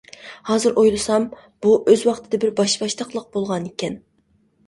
ھازىر ئويلىسام بۇ ئۆز ۋاقتىدا بىر باشباشتاقلىق بولغانىكەن.